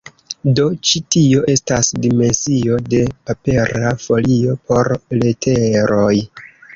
Do ĉi tio estas dimensio de papera folio por leteroj.